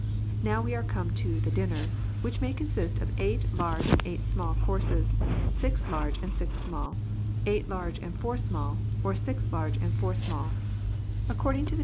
Now we come to the dinner, which may consist of eight large and eight small courses, six large and six small, eight large and four small, or six large and four small, according to the A DINNER PARTY.